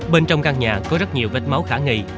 bên trong căn nhà có rất nhiều vết máu khả nghi